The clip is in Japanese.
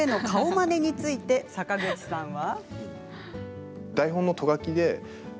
まねについて坂口さんは。